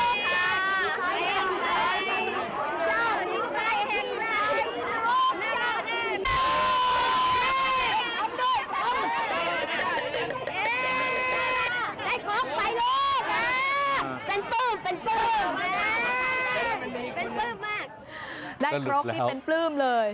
และครกนี่เป็นปลื้มเลย